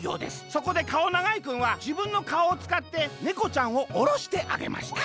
そこでかおながいくんはじぶんのかおをつかってねこちゃんをおろしてあげました」。